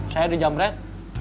saya di jamret